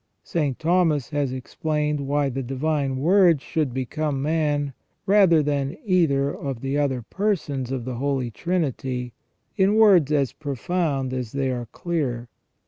St. Thomas has explained why the Divine Word should become man, rather than either of the other persons of the Holy Trinity, in words as profound as they are clear.